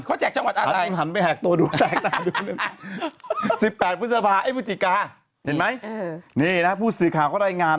เขาแจกจังหวัดอะไร